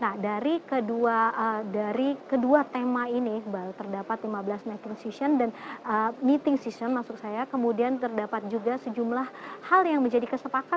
nah dari kedua tema ini iqbal terdapat lima belas meeting session dan meeting session masuk saya kemudian terdapat juga sejumlah hal yang menjadi kesepakatan